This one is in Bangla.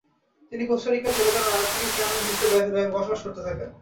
তিনি কোস্টারিকায় চলে যান ও রাজধানী স্যান হোসে বসবাস করতে থাকেন।